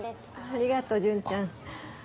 ありがとう純ちゃん。